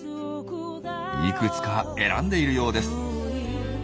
いくつか選んでいるようです。